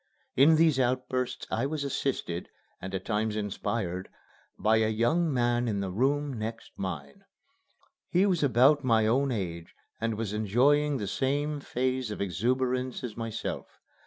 In these outbursts I was assisted, and at times inspired, by a young man in the room next mine. He was about my own age and was enjoying the same phase of exuberance as myself.